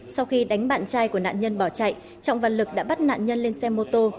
sau khi đánh bạn trai của nạn nhân bỏ chạy trọng văn lực đã bắt nạn nhân lên xe mô tô